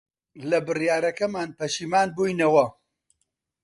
لە بڕیارەکەمان پەشیمان بووینەوە.